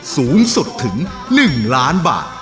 สูงสุดถึง๑ล้านบาท